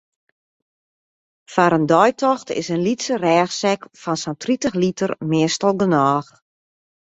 Foar in deitocht is in lytse rêchsek fan sa'n tritich liter meastal genôch.